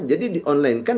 jadi di online kan